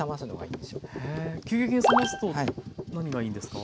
急激に冷ますと何がいいんですか？